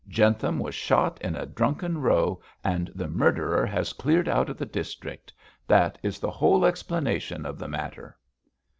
Jentham was shot in a drunken row, and the murderer has cleared out of the district. That is the whole explanation of the matter.'